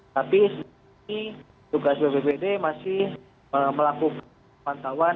tapi ini tugas bbbd masih melakukan pantauan